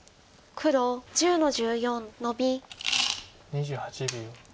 ２８秒。